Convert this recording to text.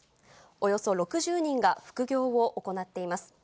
およそ６０人が副業を行っています。